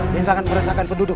yang sangat meresahkan penduduk